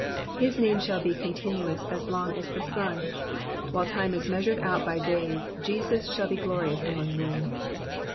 ^''His name shall he continued as long as the sun.'*'* While time is measured out by days, Jesus shall be glorious among men.